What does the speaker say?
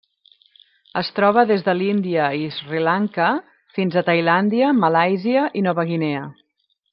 Es troba des de l'Índia i Sri Lanka fins a Tailàndia, Malàisia i Nova Guinea.